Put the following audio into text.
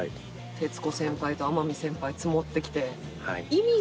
徹子先輩と天海先輩ツモってきて。